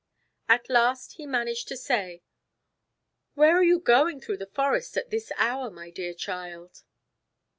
At last he managed to say: "Where are you going through the forest at this hour, my dear child?"